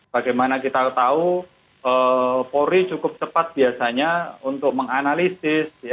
bagaimana kita tahu polri cukup cepat biasanya untuk menganalisis